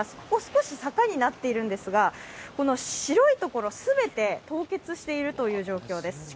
ここ、少し坂になっているんですが白いところ全て、凍結しているという状況です。